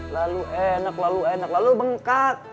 lalu enak lalu enak lalu bengkak